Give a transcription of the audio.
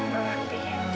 selamat malam pi